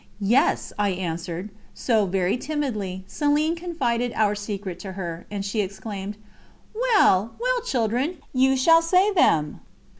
"Yes," I answered. So, very timidly, Céline confided our secret to her, and she exclaimed: "Well, well, children, you shall say them."